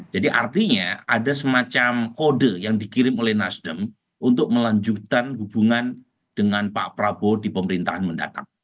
jadi artinya ada semacam kode yang dikirim oleh nasdem untuk melanjutkan hubungan dengan pak prabowo di pemerintahan mendatang